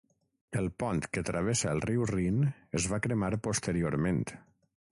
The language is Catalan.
El pont que travessa el riu Rin es va cremar posteriorment.